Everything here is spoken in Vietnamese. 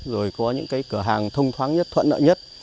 rồi có những cái cửa hàng thông thoáng nhất thuận nợ nhất